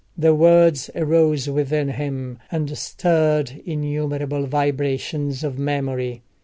The words arose within him, and stirred innumerable vibrations of memory.